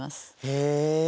へえ！